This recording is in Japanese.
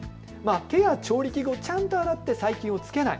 手や調理器具をちゃんと洗って細菌を付けない。